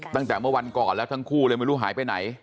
ตั้งแต่เมื่อวันก่อนแล้วทั้งคู่เลยไม่รู้หายไปไหน